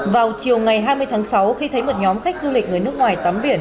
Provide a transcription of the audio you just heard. vào chiều ngày hai mươi tháng sáu khi thấy một nhóm khách du lịch người nước ngoài tắm biển